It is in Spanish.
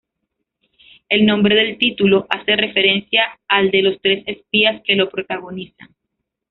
El nombre del título hace referencia al de los tres espías que lo protagonizan.